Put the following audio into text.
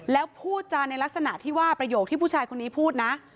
แล้วพูดจากในลักษณะประโยชน์ที่ผู้ชายคนนี้พูดนะ